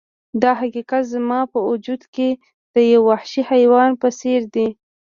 دا حقیقت زما په وجود کې د یو وحشي حیوان په څیر دی